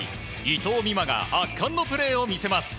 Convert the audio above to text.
伊藤美誠が圧巻のプレーを見せます。